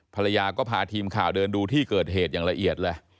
ภรรยาก็พาทีมข่าวเดินดูที่เกิดเหตุอย่างละเอียดเลย